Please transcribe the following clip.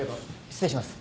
失礼します。